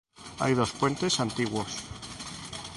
Hay dos puentes antiguos.